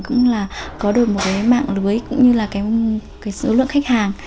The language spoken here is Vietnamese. cũng là có được một cái mạng lưới cũng như là cái số lượng khách hàng